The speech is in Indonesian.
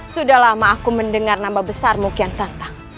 sudah lama aku mendengar nama besarmu kian santang